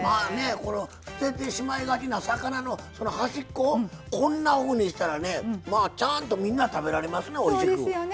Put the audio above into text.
この捨ててしまいがちな魚の端っここんなふうにしたら、ちゃんとみんな食べられますね、おいしく。